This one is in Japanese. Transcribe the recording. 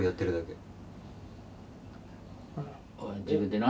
自分でな。